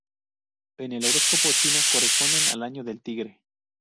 En el horóscopo chino corresponde al año del Tigre.